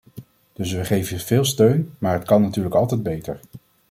Dus we geven veel steun, maar het kan natuurlijk altijd beter.